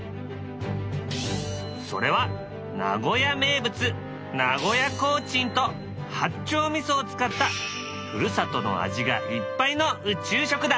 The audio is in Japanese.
それは名古屋名物名古屋コーチンと八丁味噌を使ったふるさとの味がいっぱいの宇宙食だ。